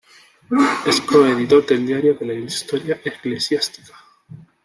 Es coeditor del Diario de la historia eclesiástica.